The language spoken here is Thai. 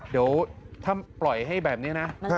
เดี๋ยวถ้าปล่อยให้แบบนี้นะ